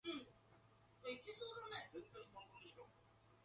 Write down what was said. Eleven people were killed in floods and mudslides across Tamaulipas.